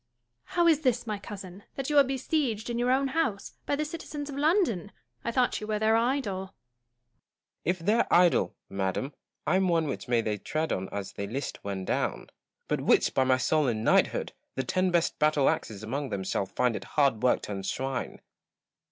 ] Joanna. How is this, my cousin, that you are besieged in your own house, by the citizens of London 1 I thought you were their idol. Gaunt. If their idol, madam, I am one which they may tread on as they list when down ; but which, by my soul and knighthood I the ten best battle axes among them shall find it hard work to unshrine.